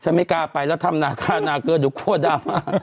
ฉันไม่กล้าไปแล้วทำหน้าเกลือดูขั้วดำ